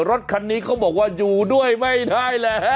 รถคันนี้เขาบอกว่าอยู่ด้วยไม่ได้แล้ว